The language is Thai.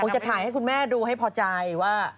จะถ่ายให้คุณแม่ดูให้พอใจว่า